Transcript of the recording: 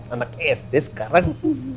anak sd sekarang